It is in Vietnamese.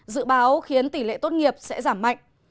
dự báo khiến tỷ lệ tốt nghiệp sẽ giảm mạnh